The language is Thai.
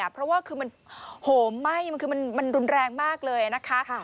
เพราะว่ามันโหม่มไหม้มันรุนแรงมากเลยนะคะ